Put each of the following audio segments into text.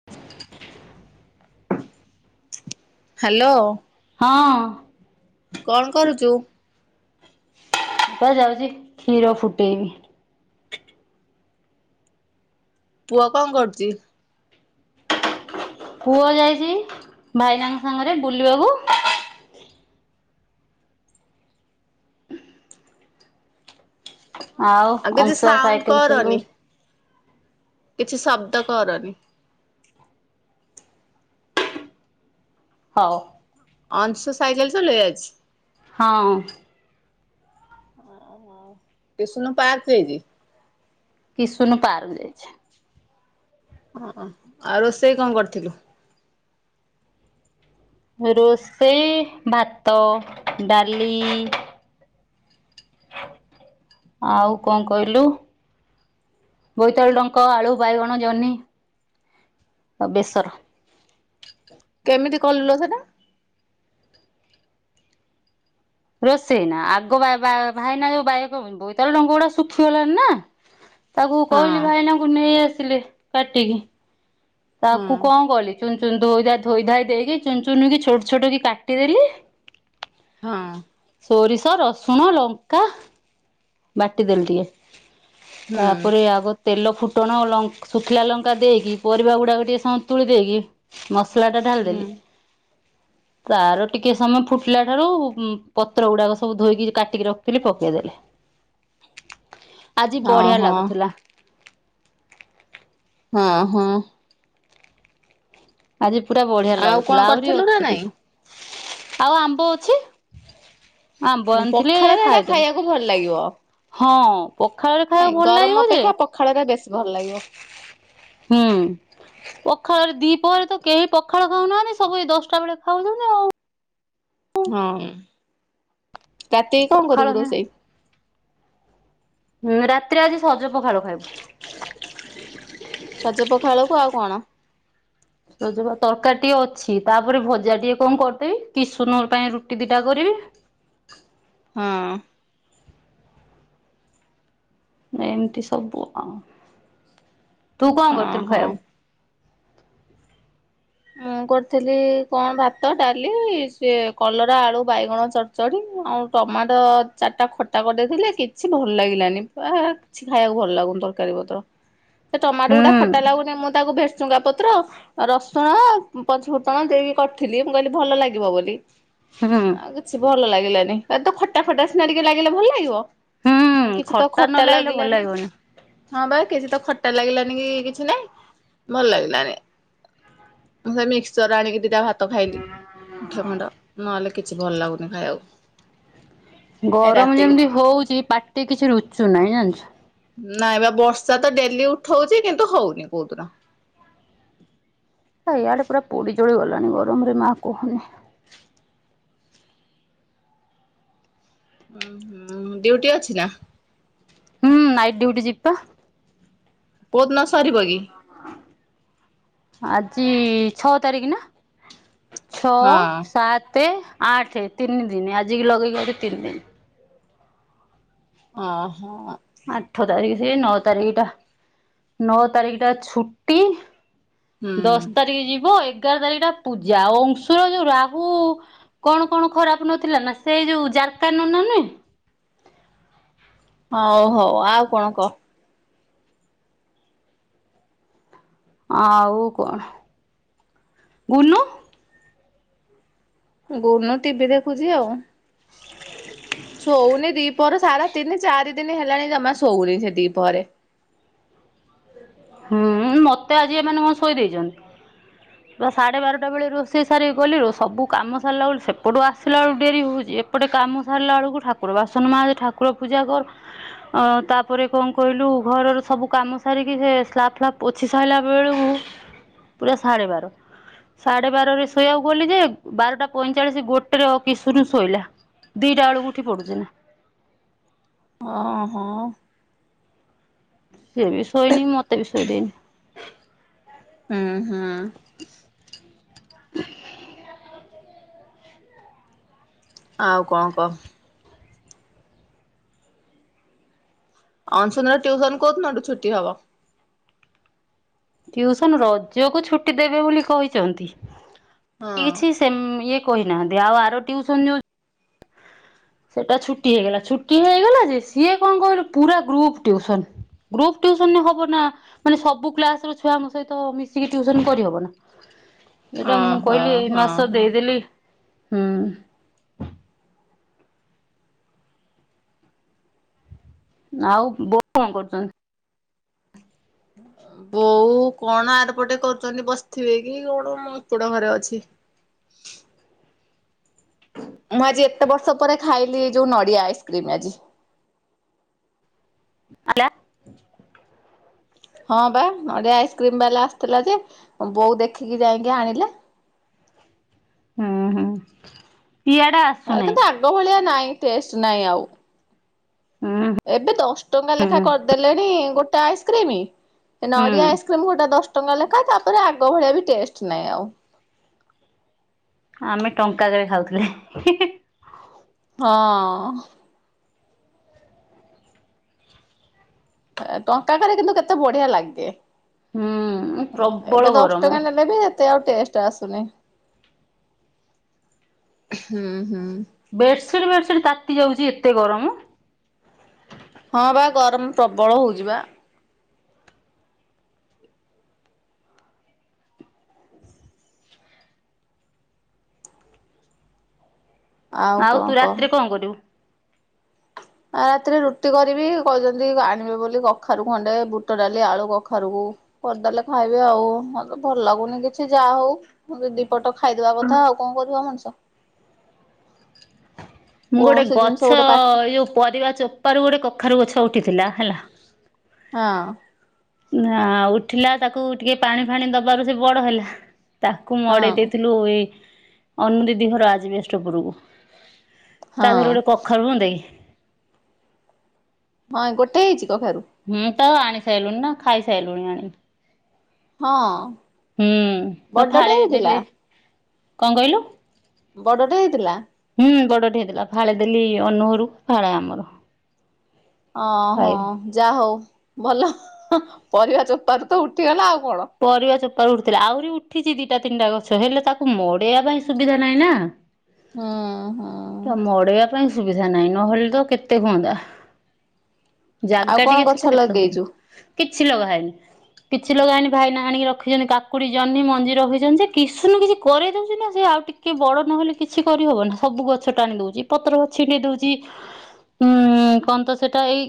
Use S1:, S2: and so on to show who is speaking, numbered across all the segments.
S1: [inaudible]
S2: Hello.
S1: ହଁ।
S2: କଣ କରୁଛୁ?
S1: ପା ଯାଉଛି ଖୀର ଫୁଟେଇବି।
S2: ପୁଅ କଣ କରୁଛି?
S1: ପୁଅ ଯାଇଛି ଭାଇନାଙ୍କ ସାଙ୍ଗରେ ବୁଲିବାକୁ। ଆଉ
S2: କିଛି
S1: ଅଂଶୁଆ
S2: ସାଉଣ୍ଡ
S1: ସାଇକେଲ
S2: କରନି
S1: ଚଲଉଛି?
S2: କିଛି ଶବ୍ଦ କର ନି?
S1: ହଉ।
S2: ଅଂଶୁ ସାଇକେଲ ଚଲେଇଯାଇଛି।
S1: ହଁ।
S2: ଏ ସୁନ ପାଚ ହେଇଛି।
S1: କିସୁନୁ ପାର୍କ ଯାଇଛି।
S2: ହଁ ଆଉ ରୋଷେଇ କଣ କରିଥିଲୁ?
S1: ରୋଷେଇ ଭାତ ଡାଲି। ଆଉ କଣ କହିଲୁ ବୋଇତାଳୁ ଡଙ୍କ ଆଳୁ ବାଇଗଣ ଜହ୍ନି ଆଉ ବେସର।
S2: କେମିତି କଲୁଲୋ ସେଟା।
S1: ରୋଷେଇ ନା ଆଗ ଭା -ଭା-ଭାଇନା ଯଉ ବାୟକ ହବନି ବୋଇତାଳୁ ଡଙ୍ଗ ଗୁଡା ଶୁଖିଗଲାଣି ନା। ତାକୁ
S2: ହଁ
S1: କହିଲି ଭାଇନାଙ୍କୁ ନେଇ ଆସ ଥିଲେ କାଟି କି।
S2: ହଁ
S1: ତାକୁ କଣ କଲି? ଚୁନ ଚୁନ ଧୋଇ ଧା ଧୋଇ ଧାଇ ଦେଇକି ଚୁନ ଚୁନ କି ଛୋଟ ଛୋଟ କି କାଟିଦେଲି।
S2: ହଁ।
S1: ସୋରିଷ ରସୁଣ ଲଙ୍କା ବାଟିଦେଲେ ଟିକେ।
S2: ହୁଁ
S1: ତାପରେ ଆଗ ତେଲ ଫୁଟଣ ଶୁଖିଲା ଲଙ୍କା ଦେଇକି ପରିବା ଗୁଡ଼ା କୁ ଟିକେ ସନ୍ତୁଳି ଦେଇକି ମସ ସଲା ଟା ଢାଳି
S2: ହୁଁ
S1: ଦେଲି ତାର ଟିକେ ସମୟ ଫୁଟିଲା ଠାରୁ ପତ୍ର ଗୁଡାକ ସବୁ ଧୋଇକି କାଟିକି ରଖିଥିଲି ପକେଇ ଦେଲି। ଆଜି ବଢିଆ
S2: ଓହୋ
S1: ଲାଗୁଥିଲା।
S2: ହଁ ହଁ।
S1: ଆଜି ପୁରା ବଢିଆ
S2: ଆଉ କଣ
S1: ଲାଗୁଥିଲା ଆହୁରି
S2: କରିଥିଲୁ ନା
S1: ଅଛି
S2: ନାଇଁ
S1: ଟିକେ ଆଉ ଆମ୍ବ ଅଛି। ଆମ୍ବ ଆଣିଥିଲି ଏ
S2: ପଖାଳରେ ଏଇଟା
S1: ଖାଇଦେଲୁ
S2: ଖାଇବାକୁ ଭଲ ଲାଗିବ
S1: ହଁ। ପଖାଳରେ
S2: ନାଇଁ
S1: ଖାଇବାକୁ ଭଲ
S2: ଗରମ
S1: ଲାଗିବ ଯେ
S2: ଅପେକ୍ଷା ପଖାଳରେ ବେଶୀ ଭଲ ଲାଗିବ
S1: ହୁଁ ପଖାଳରେ ଦି ଉପରେ ତ କେହି ପଖାଳ ଖାଉନାହାନ୍ତି ସବୁ ଦଶଟା ବେଳେ ଖାଉଛନ୍ତି ଆଉ।
S2: ହଁ। ରାତିରେ କଣ
S1: ପଖାଳ
S2: କରିବୁ
S1: ହିଁ
S2: ରୋଷେଇ?
S1: ହୁଁ ରାତିରେ ଆଜି ସଜ ପଖାଳ ଖାଇବୁ।
S2: ସଜ ପଖାଳକୁ ଆଉ କଣ?
S1: ସଜ ପଖାଳ ତରକାରୀ ଟିକେ ଅଛି ତାପରେ ଭଜା ଟିକେ କଣ କରିଦେବି କିଶନ ପାଇଁ ରୁଟି ଦିଟା କରିବି।
S2: ହଁ
S1: ଏମିତି ସବୁ ଆ ତୁ
S2: ହଁ
S1: କଣ କରଥିଲୁ
S2: ହଁ।
S1: ଖାଇବାକୁ?
S2: ମୁଁ କରିଥିଲି କଣ ଭାତ ଡାଲି ସେ କଲରା ଆଳୁ ବାଇଗଣ ଚଡଚଡି ଆଉ ଟମାଟୋ ଚାରିଟା ଖଟା କରିଦେଇଥିଲେ କିଛି ଭଲ ଲାଗିଲାନି କିଛି ଖାଇବାକୁ ଭଲ ଲାଗୁନି ତରକାରୀ ପତ୍ର। ସେ ଟମାଟୋ ଗୁଡା ଖଟା
S1: ହୁଁ
S2: ଲାଗୁନି ମୁଁ ତାକୁ ଭେସ୍ ଭୃସଙ୍ଗା ପତ୍ର ଆଉ ରସ୍ ସୁଣ ପଞ୍ଚୁ ଫୁଟଣ ଦେଇକି କରିଥିଲି ମୁଁ କହିଲି ଭଲ ଲାଗିବ ବୋଲି
S1: ହୁଁ।
S2: ଆ କିଛି ଭଲ ଲାଗିଲାନି। ଏ ତ ଖଟା ଖଟା ସିନା ଟିକେ ଲାଗିଲେ ଭଲ ଲାଗିବ।
S1: ହୁଁ
S2: ଆ କିଛି ତ
S1: ଖଟା ନ ଲାଗିଲେ ଭଲ
S2: ଲାଗିଲାନି
S1: ଲାଗିବନି।
S2: ହଁ ବା କିଛି ତ ଖଟା ଲାଗିଲାନି କି କିଛି ନାଇଁ ଭଲ ଲାଗିଲାନି। ମେ ମିକ୍ସଚର୍ ଆଣିକି ଦିଇଟା ଭାତ୍ ଭାତ ଖାଇଲି ମୁଠ ଖଣ୍ଡ ନହେଲେ କିଛି ଭଲ ଲାଗୁନି ଖାଇବାକୁ। ଏ
S1: ଗରମ
S2: ରାତିକି
S1: ଯେମିତି ହଉଛି ପାଟିକି କିଛି ରୁଚୁ ନାହିଁ ଜାଣିଛୁ।
S2: ନାଇଁ ବା ବର୍ଷା ତ ଡେଲି ଉଠଉଛି କିନ୍ତୁ ହଉନି କୋଉଦିନ।
S1: ଇଆଡେ ପୁରା ପୋଡି ଜଳି ଗଲାଣି ଗରମରେ ମା କୁହନି।
S2: ହଁ ଡିଉଟି ଅଛି ନା?
S1: ହୁଁ ନାଇଟ ଡ୍ୟୁଟି ଜିବିପା।
S2: ବହୁତ କସ ସରିବ କିି?
S1: ଆଜି ଛଅ ତାରିଖ ନା?
S2: ହଁ
S1: ଛଅ ସାତ ଆଠ ତିନି ଦିନ ଆଜିିକି ଲଗେଇକି ବଧେ ତିନି ଦିନ।
S2: ଓହୋ।
S1: ଆଠ ତାରିଖ। ସେ ନଅ ତାରିଖ ଟା ନଅ ତାରିଖ ଟା ଛୁଟି
S2: ହୁଁ।
S1: । ଦଶ ତାରିଖ ଯିବ। ଏ ଏଗାର ତାରିଖ ଟା ପୂଜା ଆଉ ଅଂଶୁର ଯୋଉ ରାହୁ କଣ କଣ ଖରାପ ନଥିଲା ନା ସେ ଯୋଉ ଜାରକା ନନା ନେ
S2: ହଉ ହଉ ଆଉ କଣ କହ।
S1: ଆଉ କଣ ଗୁନୁ
S2: ଗୁନୁ ଟିଭିି ଦେଖୁଛି ଆଉ ଶୋଉନି ଦିପହର ସାରା ତିନି ଚାରି ଦିନ ହେଲାଣି ଜମା ଶୋଉନି ସେ ଦିପହରେ।
S1: ହୁଁ ମତେ ଆଜି ଏମାନେେ କଣ ଶୋଇ ଦେଇେଇଛନ୍ତି ବା ସାଢେ ବାରଟା ବେଳେ ରୋଷେଇ ସାରିକି ଗଲି ସବୁ କାମ ସାରିଲା ବେଳ ସେପଟୁ ଆସିଲା ବେଳକୁ ଡେରି ହଉଛି ଏପଟେ କାମ ସାରିଲା ବେଳକୁ ଠାକୁର ବାସନ ମାଯେ ଠାକୁର ପୂଜା କର ତାପରେ କଣ କହିଲୁ ଘରର ସବୁ କାମ ସାରିକି ସେ ଫ୍ଲାପ ଫ୍ଲାପ ପଛି ସାରିଲା ବେଳକୁ ପୁରା ସାଢେ ବାର ସାଢେ ବାରରେ ଶୋଇବାକୁ ଗଲି ଯେ ବାରଟା ପଇଁଚାଳିଶ ଗୋଟେରେ କିଶୋର ଶୋଇଲା ଦିଟା ବେଳକୁ ଉଠି ପଡୁଛି ନା
S2: ହ ହୋ।
S1: ସିଏ ବି ଶୋଇନି ମତେ ବି ଶୋଇ ଦେଇନି।
S2: ହୁଁ ହୁଁ। ଆଉ କଣ କହ। ଅସୁନର ଟ୍ୟୁସନ କୋଉ ଦିନଠୁ ଛୁଟି ହବ?
S1: ଟିଉସନ ରଜକୁ ଛୁଟି ଦେବେ ବୋଲି କହିଛନ୍ତି।
S2: ହଁ।
S1: କିଛି ଶେମ ଇଏ କୋଇ ନାହାନ୍ତିି ଆଉ ଆର ଟ୍ୟୁସନ ଯ ସେଟା ଛୁଟି ହେଇଗଲା ଛୁଟି ହେଇଗଲା ଯେ ସିଏ କଣ କହିଲୁ ପୁରା ଗ୍ରୁପ୍ ଟିଉସନ ଗ୍ରୁପ୍ ଟିଉସନ ରେ ହବ ନା ମାନେ ସବୁ କ୍ଲାସ ର ଛୁଆଙ୍କ ସହିତ ମିଶିକି ଟିଉସନ କରିହବ ନା ଏଇଟା ମୁଁ
S2: ଓହୋ
S1: କହିଲି ଏଇ
S2: ହଁ
S1: ମାସ
S2: ହଁ।
S1: ଦେଇଦେଲି। ହୁଁ ଆଉ ବୋଉ କଣ କରୁଛନ୍ତି?
S2: ବୋଉ କଣ ଆରପଟେ କରୁଛନ୍ତି ବସିଥିବେ କି କଣ ମୋ ଏପଟ ଘରେ ଅଛି। ମୁଁ ଆଜି ଏତେ ବର୍ଷ ପରେ ଖାଇଲି ଯୋଉ ନଡିଆ ଆଇସ୍କ୍ରିମ ଆଜି।
S1: ହେଲା।
S2: ହଁ ବା ନଡ଼ିଆ ଆଇସ୍କ୍ରିମ ବାଲା ଆସିଥିଲା ଯେ ବୋଉ ଦେଖିକି ଯାଇକି ଆଣିଲେ।
S1: ହୁଁ ହୁଁ ପିଆଡା
S2: ଏ
S1: ଆସୁନାହିଁ
S2: କିନ୍ତୁ ଆଗ ଭଳିଆ ନାଇଁ। ଟେଷ୍ଟ ନାହିଁ ଆଉ।
S1: ହୁଁ
S2: ଏବେ ଦଶ ଟଙ୍କା ଲେଖା
S1: ହୁଁ।
S2: କରିଦେଲେଣି। ଗୋଟେ ଆଇସ୍କ୍ରିମ। ନଡ଼ିଆ
S1: ହୁଁ
S2: ଆଇସ୍କ୍ରିମ ଗୋଟା ଦଶ ଟଙ୍କା ଲେଖାଏ ତାପରେ ଆଗ ଭଳିଆ ବି ଟେଷ୍ଟ ନାହିଁ ଆଉ
S1: ଆମେ ଟଙ୍କାକରେ ଖାଉଥିଲେ
S2: ହଁ ଟଙ୍କା କରେ କିନ୍ତୁ କେତେ ବଢିଆ ଲାଗେ
S1: ହୁଁ
S2: ଏବେ
S1: ପ୍ରବଳ
S2: ଦଶ
S1: ଗରମ
S2: ଟଙ୍କା ନେଲେ ବି ଏତେ ଆଉ ଟେଷ୍ଟ ଆସୁନି ହୁଁ ହୁଁ
S1: ବେଡସିଟ ବେଡସିଟ ତାତି ଯାଉଛି ଏତେ ଗରମ
S2: ହଁ ବା ଗରମ ପ୍ରବଳ ହଉଛି ବା
S1: ଆଉ
S2: କଣ
S1: ତୁ
S2: କହ?
S1: ରାତିରେ କଣ କରିବୁ?
S2: ଆ ରାତିରେ ରୁଟି କରିବି କହିଛନ୍ତି ଆଣିବେ ବୋଲି କଖାରୁ ଖଣ୍ଡେ ବୁଟ ଡାଲି ଆଳୁ କଖାରୁକୁ। କରିଦେଲେ ଖାଇବେ ଆଉ। ହଁ ତ ଭଲ ଲାଗୁନି କିଛି ଯାହା ହଉ ଦିପଟ ଖାଇଦବା କଥା ଆଉ କଣ କର ମଣିଷ
S1: ମୁଁ ଗୋଟେ
S2: କୌଣସି ଜିନିଷ
S1: ଗଛ
S2: ଗୋଟେ ପାଟି
S1: ଯୋଉ ପରିବା ଚୋପାରୁ ଗୋଟେ କଖାରୁ ଗଛ ଉଠିଥିଲା ହେଲା
S2: ହଁ
S1: ନା ଉଠିଲା ତାକୁ ଟିକେ ପାଣି ଫାଣି ଦବାରୁ ସେ ବଡ ହେଲା ତାକୁ ମଡେଇ
S2: ହଁ
S1: ଦେଇଥିଲୁ ଅନନୁ ଦିଦି ହ ରାଜ ବ୍ୟଷ୍ଟପୁରକୁ ତା
S2: ହଁ
S1: ଫରେ ଓଟେ କୋଖର ବି ହୁନ୍ଦ
S2: ହଁ ଗୋଟେ ହେଇଛି, ତ ଖାରୁ
S1: ହୁଁ ତ ଆଣି ସାରିଲୁଣି ନା ଖାଇ ସାରିଲୁଣି ଆଣି
S2: ହଁ
S1: ହୁଁ ନା
S2: ବଡଟେ
S1: ଫଳେ
S2: ହେଇଥିଲା
S1: ଯଦଲେ କଣ କହିଲୁ
S2: ବଡ଼ଟେ ହେଇଥିଲା
S1: ହୁଁ ବଡଟେ ହେଇଲା ଫାଳି ଦେଲି ଅନୁହରୁ ଫାଳ ଆମର
S2: ଅ ହଁ
S1: ଖାଇଲୁ।
S2: ଯା ହଉ ଭଲ ପରିବା ଚୋପାରୁ ତ ଉଠିଗଲା ଆଉ କଣ।
S1: ପରିବା ସ ଉଠିଥିଲା ଆହୁରି ଉଠିଛି ଦିଟା ତିନିଟା ଗଛ ହେଲେ ତାକୁ ମଡେଇବା ପାଇଁ ସୁବିଧା ନାହିଁ ନା
S2: ହଁ ହଁ
S1: ତା ପାଇଁ ସୁବିଧା ନାହିଁ ନହେଲେ ତ କେତେ ହୁଅନ୍ଦତା
S2: ଆଉ
S1: ଜାଗା
S2: କଣ
S1: ଟିକେ
S2: ଗଛ
S1: ଥିଲା କେତେ ହୁଅନ୍ତା
S2: ଲଗେଇଛୁ?
S1: କିଛି ଲଗା ହେଇନି କିଛି ଲଗା ହେଇନି ଭାଇନା ଆଣିକି ରଖିଛନ୍ତି କାକୁଡି ଜହ୍ନି ମଞ୍ଜି ରଖିଛନ୍ତି ଯେ କିଛିନୁ କିଛି କରି ଦଉଛି ନା ସେ ଆଉ ଟିକେ ବଡ ନହେଲେ କିଛି କରିହବ ନା ସବୁ ଗଛ ଟା ଆଣି ଦଉଛି ପତ୍ର ଗ ଛିଟେଇ ଦଉଛି ଉଁ କହ ତ ସେଟା ଏଇ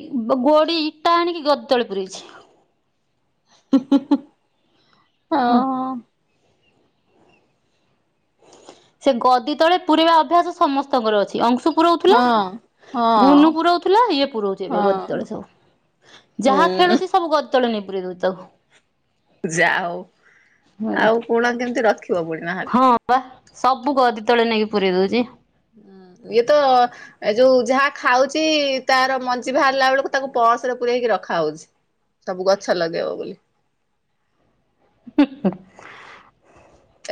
S1: ଗୋଡି ଇଟା ଆଣିକି ଗଦଳ ପରେଛି
S2: [unintelligible] ହଁ
S1: ହେଲା
S2: ହଁ।
S1: ସେ ଗଦି ତଳେ ପୁରେଇବା ଅଭ୍ୟାସ ସମସ୍ତଙ୍କର ଅଛି। ଅଂଶୁ ପୁରୋଉଥିଲା
S2: ହଁ ହଁ
S1: ଗୁନୁ ପୁରଉଥିଲା ଇଏ ପୁରୋଉଛି ଏବେ
S2: ହଁ
S1: ଗଦି ତଳେ ସବୁ ଯାହା
S2: ହୁଁ।
S1: ଖେଳୁଛି ସବୁ ଗ ତୁ ନି ପୁୁରେଇ ଦଉଚି ତକୁ
S2: ଯା ହଉ
S1: ହେଲା
S2: ଆଉ କୁଣ କେମିତି ରଖିବ ପୁଣି ନହେଲେ।
S1: ହଁ ବା ସବୁ କଦି ତଳେ ନେଇକି ପୁରେଇ ଦଉଛି
S2: ହୁଁ ଇଏ ତ ଏ ଯୋଉ ଯାହା ଖାଉଛି ତାର ମଞ୍ଜି ବାହାରିଲା ବେଳକୁ ତାକୁ ପରସରେ ପୁରେଇକି ରଖା ହଉଛି ସବୁ ଗଛ ଲଗେଇବ ବୋଲି।
S1: ହୁଁ ହୁଁ ।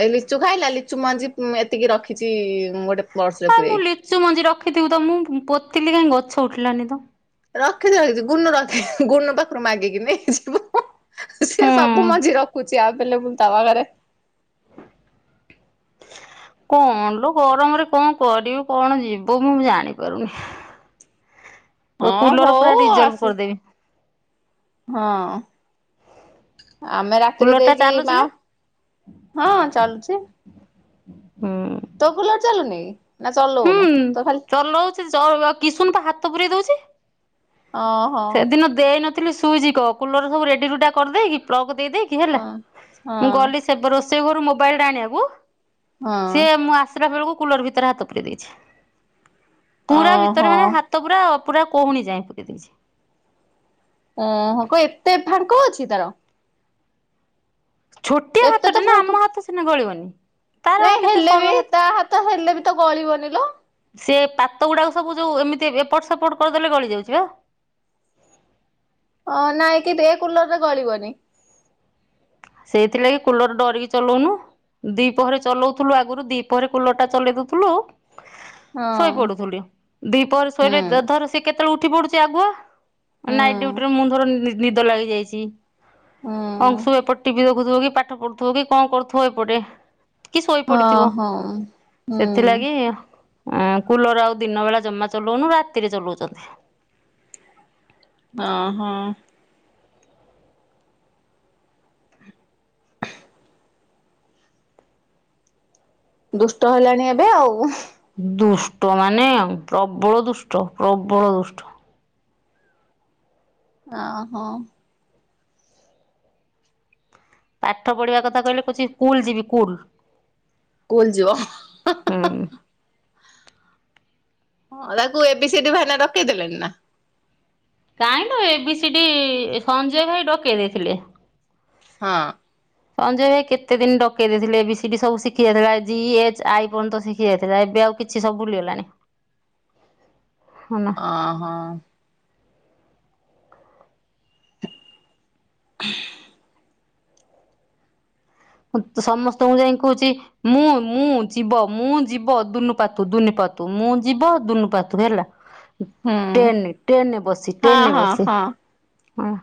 S2: ଏଇ ଲିଚୁ ଖାଇଲା ଲିଚୁ ମଞ୍ଜି ଏତିକି ରଖିଛି ଗୋଟେ ପର୍ସ ରେ
S1: ହଁ ମୁଁ
S2: ପୂରେଇକି।
S1: ଲିଚୁ ମଞ୍ଜି ରଖିଥିବୁ ତ ମୁଁ ପୋତିଲିି କାଇଁ ଗ ଗଛ ଉଠିଲାନି ତ
S2: ରଖିଛି ରଖିଛି ଗୁନୁ ରଖି ଗୁନୁ ପାଖରୁ ମାଗିକି ନେଇଯିବୁ। ସିଏ ସବୁ
S1: ହୁଁ।
S2: ମଞ୍ଜି ରଖୁଛି ଆଭେଲେବୁଲ। ତବା ଘରେ
S1: କଣ ଲୋ ଗରମରେ କଣ କରିବୁ କଣ ଯିବୁ ମୁଁ ଜାଣିପାରୁନି ।
S2: ହଁ
S1: କୁଲର ପୁରା
S2: ହଉ
S1: ରିଜର୍ଭ
S2: ଆସି
S1: କରିଦେବି।
S2: ହଁ। [inaudible] ଆମେ ରାତିରେ
S1: କୁଲର ଟା
S2: ଦେଇକି
S1: ଚାଲୁଛି
S2: ମା
S1: ନା
S2: [inaudible] ହଁ ଚାଲୁଛି ।
S1: ହଁ।
S2: ତୋ କୁଲର ଚାଲୁନି କି? ନା
S1: ହୁଁ
S2: ଚଲଉନୁ ତୋ ଖାଲି
S1: ଚଲଉଛି ଚଳିବ କିଶୁନ ପା ହାତ ପୂରେଇ ଦଉଛି ।
S2: ଓହୋ।
S1: ଦେଇ ନଥିଲି ସୁଇଚ୍ କ କୁଲର ସବୁ ରେଡି ରୁଡା କରିଦେଇକି ପ୍ଲଗ୍ ଦେଇ ଦେଇକି ହେଲା
S2: ହଁ। ହଁ
S1: ମୁଁ ଗଲି ସେ ରୋଷେ ସେ ଘରୁ ମୋବାଇଲ ଟା ଆଣିବାକୁ
S2: ହଁ
S1: ସିଏ ମୁଁ ଆସିଲା ବେଳକୁ କୁଲର୍ ଭିତରେ ହାତ ପୂରେଇ ଦିଏ। [inaudible] ପୁରା ଭିତରେ
S2: ଓହୋ।
S1: ମାନେ ହାତ ପୁରା ପୁରା କହୁଣୀ ଯାଏ ପୂରେଇ ଦେଇଛି। [inaudible]
S2: ଓହୋ କଣ ଏତେ ଫାଙ୍କ ଅଛି ତାର?
S1: ଛୋଟିଆ
S2: ଏତେ
S1: ହାତଟେ
S2: ତ
S1: ନା
S2: ଫାଙ୍କ
S1: ଆମ ହାତ ସିନା ଗଳିବନି ହଁ।
S2: ନାଇଁ ହେଲେ ବି ତା ହାତ ହେଲେ ବି ତ ଗଳିବନି ଲୋ
S1: ସେ ପାତ ଗୁଡାକ ସବୁ ଯୋଉ ଏମିତି ଏପଟ ସେପଟ କରିଦେଲେ ଗଳି ଯାଉଛି ବା
S2: ଅଁ ନାଇଁ କି ଏ କୁଲରରେ ଗଳିବନି
S1: ସେଇଥିଲାଗି କୁଲର ଡରିକି ଚଲଉନୁ ଦ୍ୱିପହରେ ଚଲଉଥିଲୁ ଆଗରୁ ଦ୍ୱିପହରେ କୁଲର ଟା ଚଲେଇ ଦଉଥିଲୁ ଆଉ
S2: ହଁ।
S1: ଶୋଇପଡୁଥିଲୁ ଟିକେ ଦ୍ବିପହରରେ
S2: ହୁଁ
S1: ଶୋଇଲେ ଧର ସେ କେତେ କେତେବେଳେ ଉଠି ପଡୁଛି ଆଗୁଆ
S2: ହୁଁ
S1: ନାଇଟ ଡ୍ୟୁଟି ରେ ମୁଁ ଧର ନିଦ ଲାଗି ଯାଇଛି
S2: ହୁଁ
S1: ଅଂଶୁ ଏପଟ ଦେଖୁଥିବ କି ପାଠ ପଢୁଥିବ କି କଣ କରୁଥିବ ଏପଟେ କି ଶୋଇ
S2: ହଁ
S1: ପଡିଥିବ
S2: ହଁ ହୁଁ।
S1: ଆ କୁଲର ଆଉ ଦିନ ବେଳା ଜମା ଚଲାଉନୁ ରାତିରେ ଚଲଉଛନ୍ତି
S2: ହ ହୋ ଦୁଷ୍ଟ ହେଲାଣି ଏବେ ଆଉ
S1: ଦୁଷ୍ଟ ମାନେ ପ୍ରବଳ ଦୁଷ୍ଟ ପ୍ରବଳ ଦୁଷ୍ଟ
S2: ଓ ହୋ।
S1: ପାଠ ପଢିବା କଥା କହିଲେ କହୁଛି କୁଲ ଯିବି କୁଲ।
S2: କୁଲ ଯିବ ହଁ ହଁ
S1: ହୁଁ।
S2: ହଁ ହଁ ତାକୁ ଏବି ସିଡି ଭାଇନା ଡକେଇ ଦେଲେଣି ନା
S1: କାହିଁ ନା A B C D Sanjay ଭାଇ ଡକେଇ ଦେଇଥିଲେ
S2: ହଁ
S1: ସଞ୍ଜୟ ଭାଇ କେତେ ଦିନ ଡକେଇ ଦେଇଥିଲେ ବି ସିଡି ସବୁ ଶିଖି ଯାଇଥିଲା ଜି ଏଚ ଆଇ ପର୍ଯ୍ୟନ୍ତ ଶିଖି ଯାଇଥିଲା ଏବେ ଆଉ କିଛି ସବୁ ଭୁଲିଗଲାଣିି।
S2: ଅ ହୋ।
S1: ସମସ୍ତଙ୍କୁ ଯାଇ କହୁଛି ମୁଁ ମୁଁ ଯିବ ମୁଁ ଯିବ ଦୁନୁ ପାତୁ ଦୁନନୁ ପାତୁ ମୁଁ ଯିବ ଦୁନୁପାତୁ ହେଲା।
S2: ହୁଁ
S1: ଟ୍ରେନ ଟ୍ରେନରେ ବସି
S2: ହଁ
S1: ଟ୍ରେନେ
S2: ହଁ
S1: ବସି।
S2: ହଁ।
S1: ହଁ।